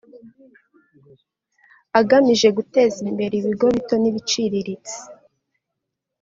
agamije guteza imbere ibigo bito n’ibiciriritse